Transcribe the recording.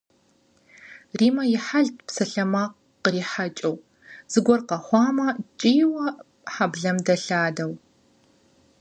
Риммэ и хьэлт псалъэмакъ кърихьэкӏыу, зыгуэр къэхъуамэ кӏийуэ хьэблэм дэлъадэу.